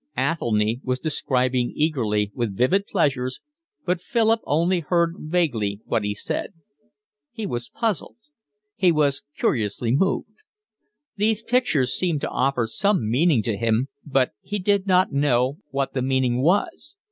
Athelny was describing eagerly, with vivid phrases, but Philip only heard vaguely what he said. He was puzzled. He was curiously moved. These pictures seemed to offer some meaning to him, but he did not know what the meaning was.